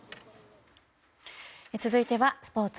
続いてはスポーツ。